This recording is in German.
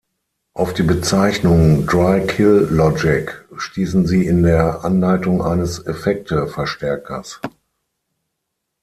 Auf die Bezeichnung "Dry Kill Logic" stießen sie in der Anleitung eines Effekte-Verstärkers.